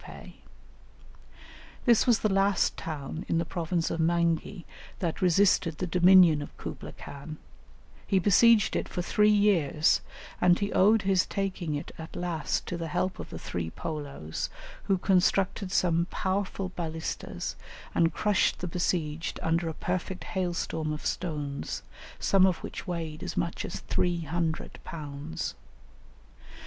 This was the last town in the province of Mangi that resisted the dominion of Kublaï Khan; he besieged it for three years, and he owed his taking it at last to the help of the three Polos, who constructed some powerful balistas and crushed the besieged under a perfect hail storm of stones, some of which weighed as much as three hundred pounds.